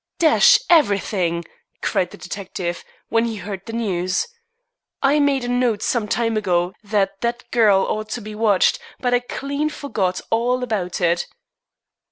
"Dash everything!" cried the detective, when he heard the news. "I made a note sometime ago that that girl ought to be watched, but I clean forgot all about it."